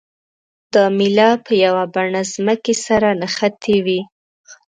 دا میله په یوه بڼه ځمکې سره نښتې وي.